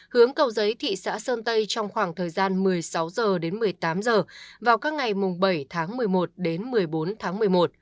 hướng cầu giấy thị xã sơn tây trong khoảng thời gian một mươi sáu h đến một mươi tám h vào các ngày mùng bảy tháng một mươi một đến một mươi bốn tháng một mươi một